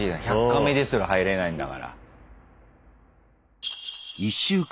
１００カメですら入れないんだから。